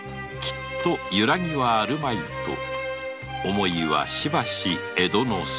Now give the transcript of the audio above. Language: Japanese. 揺らぎはあるまいと思いはしばし江戸の空